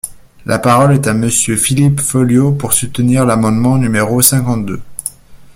La parole est à Monsieur Philippe Folliot, pour soutenir l’amendement numéro cinquante-deux.